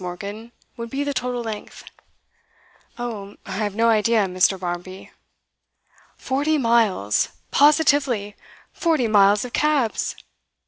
Morgan, would be the total length?' 'Oh, I have no idea, Mr. Barmby.' 'Forty miles positively! Forty miles of cabs!